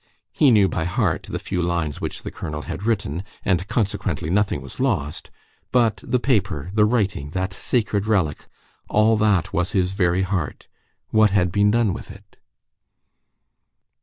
He knew by heart the few lines which the colonel had written, and, consequently, nothing was lost. But the paper, the writing, that sacred relic,—all that was his very heart. What had been done with it?